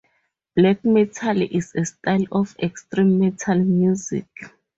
Black metal is a style of extreme metal music.